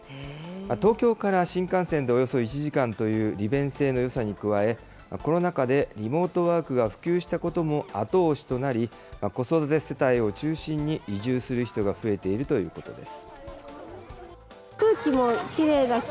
東京から新幹線でおよそ１時間という利便性のよさに加え、コロナ禍でリモートワークが普及したことも後押しとなり、子育て世帯を中心に移住する人が増えているということです。